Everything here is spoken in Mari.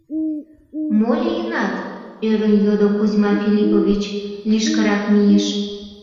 — Мо лийынат? — ӧрын йодо Кузьма Филиппович, лишкырак мийыш.